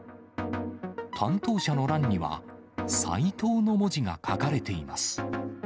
担当者の欄には斉藤の文字が書かれています。